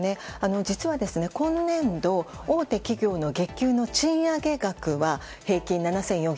実は今年度、大手企業の月給の賃上げ額は平均７４３０円。